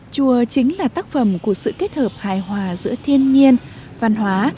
chùa chính là tác phẩm của sự kết hợp hài hòa giữa thiên nhiên văn hóa